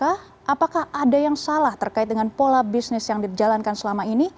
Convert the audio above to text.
apakah ada yang salah terkait dengan pola bisnis yang dijalankan selama ini